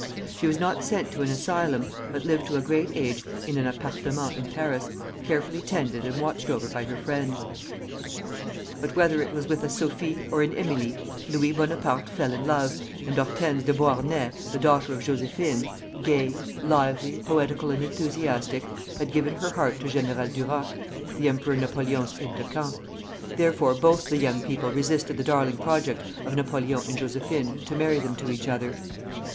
She was not sent to an asylum, but lived to a great age in an appartement in Paris, carefully tended and watched over by her friends. [Footnote 1: Jerrold's Life of Napoleon III.] But whether it was with a Sophie or an Emilie, Louis Bonaparte fell in love, and Hortense de Beauharnais, the daughter of Josephine, gay, lively, poetical, and enthusiastic, had given her heart to General Duroc, the Emperor Napoleon's aide de camp; therefore both the young people resisted the darling project of Napoleon and Josephine to marry them to each other.